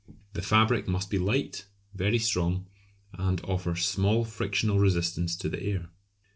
The fabric must be light, very strong, and offer small frictional resistance to the air.